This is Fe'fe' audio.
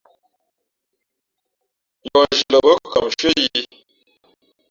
Yǒh nzhi lαbά kʉkam nshʉ́ά yǐ .